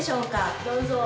どうぞ。